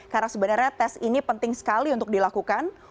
karena sebenarnya tes ini penting sekali untuk dilakukan